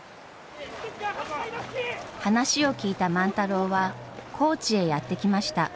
話を聞いた万太郎は高知へやって来ました。